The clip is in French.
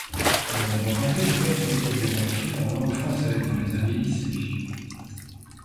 Il a d'abord tenté d'écrire son autobiographie en langue française dans les années lycée.